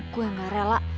gue gak rela